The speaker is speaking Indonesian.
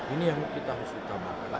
ini yang kita harus utamakan